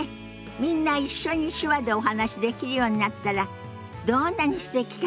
みんな一緒に手話でお話しできるようになったらどんなにすてきかしら。